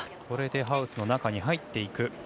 これでハウスの中に入っていく。